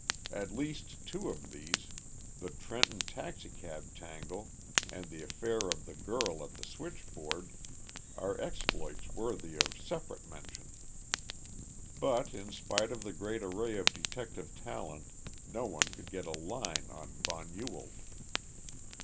At least two of these the Trenton taxicab tangle and the affair of the girl at the switchboard are exploits worthy of separate mention. But, in spite of the great array of detective talent, no one could get a line on von Ewald.